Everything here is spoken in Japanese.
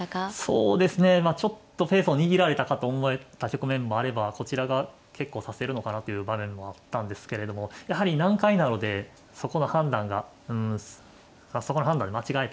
そうですねまあちょっとペースを握られたかと思った局面もあればこちらが結構指せるのかなという場面もあったんですけれどもやはり難解なのでそこの判断がうんそこの判断で間違えた気がしますね。